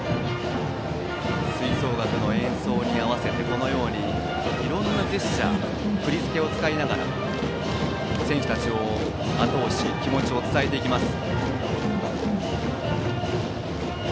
吹奏楽の演奏に合わせていろんなジェスチャー振り付けを使いながら選手たちをあと押し気持ちを伝えていきます。